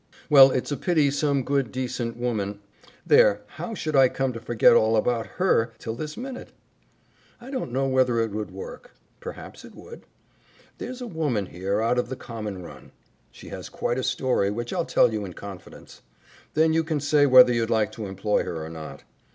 "Well, it's a pity some good, decent woman There, how should I come to forget all about HER till this minute? I don't know whether it would work. Perhaps it would. There's a woman here out of the common run. She has quite a story, which I'll tell you in confidence. Then you can say whether you'd like to employ her or not.